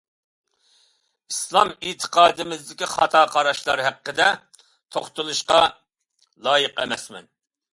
ئىسلام ئېتىقادىمىزدىكى خاتا قاراشلار ھەققىدە توختىلىشقا لايىق ئەمەسمەن.